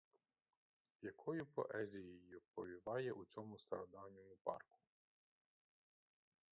Якою поезією повіває в цьому стародавньому парку!